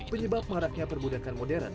penyebab maraknya perbudakan modern